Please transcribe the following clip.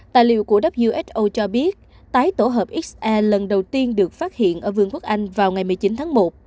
tài liệu của who cho biết tái tổ hợp se lần đầu tiên được phát hiện ở vương quốc anh vào ngày một mươi chín tháng một